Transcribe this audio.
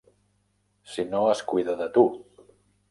Si no es cuida de tu.